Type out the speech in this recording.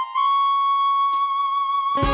โชว์